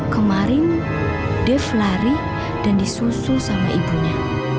kemarin dev lari dan disusul sama ibunya